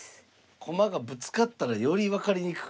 駒がぶつかったらより分かりにくく。